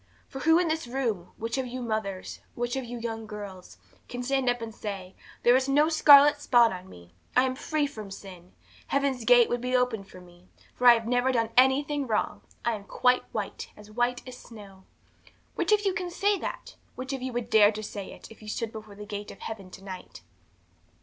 For who in this room, which of you mothers, which of you young girls, can stand up and say, There is no scarlet spot on me, I am free from sin. Heaven's gate would be opened to me, for I have never done anything wrong I am quite white, as white as snow. 'Which of you can say that? Which of you would dare to say it, if you stood before the gate of heaven to night?